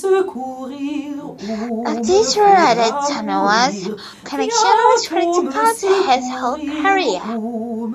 This rather tenuous connection was critical to his whole career.